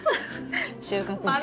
収穫して。